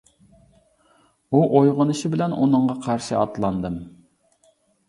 ئۇ ئويغىنىشى بىلەن ئۇنىڭغا قارشى ئاتلاندىم.